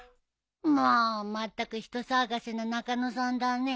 もうまったく人騒がせな中野さんだね。